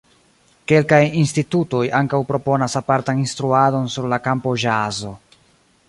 Kelkaj institutoj ankaŭ proponas apartan instruadon sur la kampo ĵazo.